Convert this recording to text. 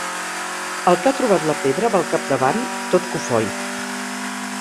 El que ha trobat la pedra va al capdavant, tot cofoi.